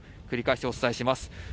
繰り返しお伝えします。